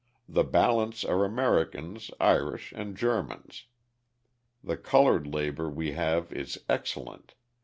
The balance are Americans, Irish and Germans. The coloured labour we have is excellent....